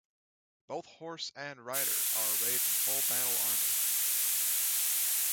Both horse and rider are arrayed in full battle armor.